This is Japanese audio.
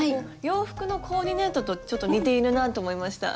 洋服のコーディネートとちょっと似ているなと思いました。